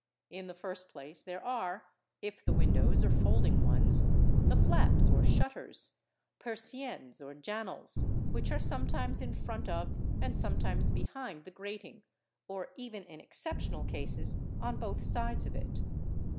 In the first place there are, if the windows are folding ones, the flaps or shutters, persiennes, or jannals, which are some times in front of and sometimes behind the grating, or even in exceptional cases on both sides of it.